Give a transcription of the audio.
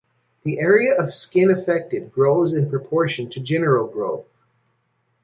The area of skin affected grows in proportion to general growth.